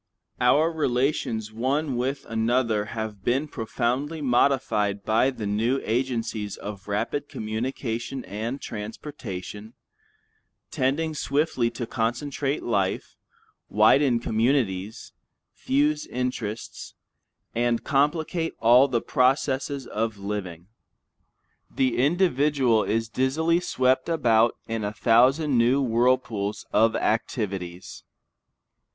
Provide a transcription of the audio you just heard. Our relations one with another have been profoundly modified by the new agencies of rapid communication and transportation, tending swiftly to concentrate life, widen communities, fuse interests, and complicate all the processes of living. The individual is dizzily swept about in a thousand new whirlpools of activities.